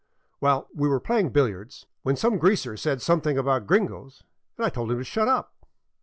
" Well, we were playing billiards, when some greaser said some thing about gringos, and I told him to shut up.